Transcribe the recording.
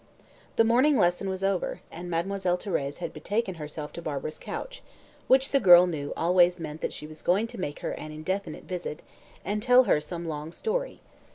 The morning lesson was over, and Mademoiselle Thérèse had betaken herself to Barbara's couch, which the girl knew always meant that she was going to make her an indefinite visit, and tell her some long story.